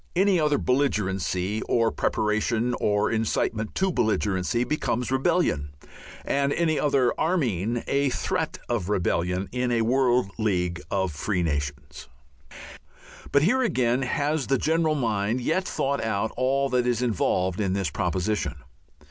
Any other belligerency or preparation or incitement to belligerency becomes rebellion, and any other arming a threat of rebellion, in a world League of Free Nations. But here, again, has the general mind yet thought out all that is involved in this proposition?